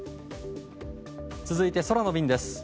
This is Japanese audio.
続いて空の便です。